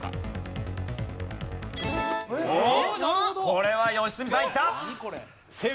これは良純さんいった！